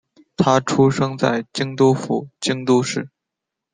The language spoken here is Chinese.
她出生在京都府京都市。